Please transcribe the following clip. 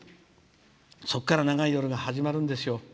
そこから、長い夜が始まるんですよ。